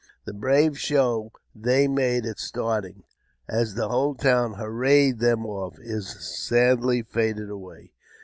The brave show they made at starting, as the whole town hurraed them off, is sadly faded away.